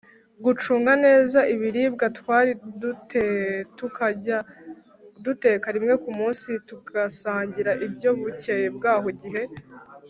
gucunga neza ibiribwa twari du te tukajya duteka rimwe ku munsi tugasangira ibyo Bukeye bwaho igihe